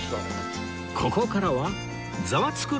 ここからは『ザワつく！